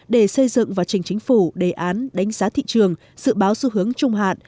để xây dựng và trình chính phủ đề án đánh giá thị trường dự báo xu hướng trung hạn